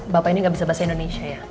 bapak ini gak bisa bahasa indonesia ya